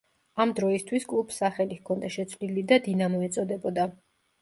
ამ დროისთვის კლუბს სახელი ჰქონდა შეცვლილი და „დინამო“ ეწოდებოდა.